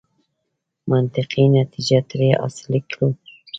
منطقي نتیجې ترې حاصلې کړو.